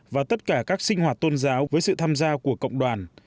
và tất cả các sinh hoạt tôn giáo với sự tham gia của cộng đoàn